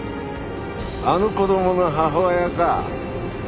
あの子供の母親か。